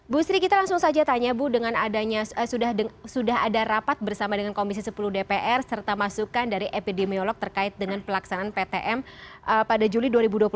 bu sri kita langsung saja tanya bu dengan adanya sudah ada rapat bersama dengan komisi sepuluh dpr serta masukan dari epidemiolog terkait dengan pelaksanaan ptm pada juli dua ribu dua puluh satu